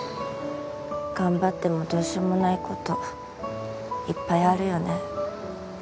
頑張ってもどうしようもない事いっぱいあるよね。